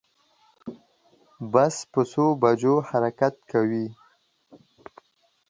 بس په څو بجو حرکت کوی